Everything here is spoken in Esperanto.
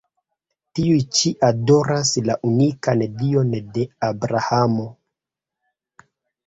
Tiuj ĉi adoras la unikan Dion de Abrahamo.